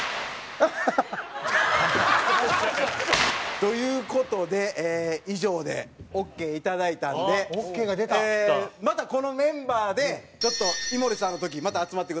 ハハハハ！という事で以上でオーケーいただいたんでまたこのメンバーでちょっと井森さんの時また集まってください。